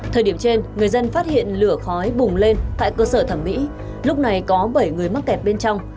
thời điểm trên người dân phát hiện lửa khói bùng lên tại cơ sở thẩm mỹ lúc này có bảy người mắc kẹt bên trong